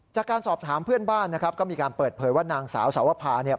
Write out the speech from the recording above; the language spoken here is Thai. จากการสอบถามเพื่อนบ้านนะครับก็มีการเปิดเผยว่านางสาวสาวภาเนี่ย